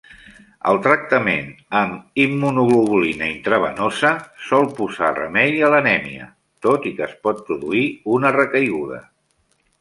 El tractament amb immunoglobulina intravenosa sol posar remei a l'anèmia, tot i que es pot produir una recaiguda.